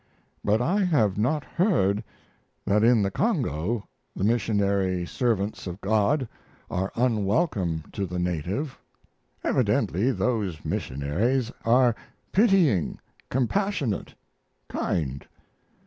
But I have not heard that in the Congo the missionary servants of God are unwelcome to the native. Evidently those missionaries axe pitying, compassionate, kind.